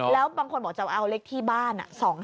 แล้วบางคนบอกจะเอาเลขที่บ้าน๒๕๖